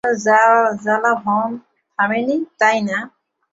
এখনো জ্বালাতন থামেনি, তাই না?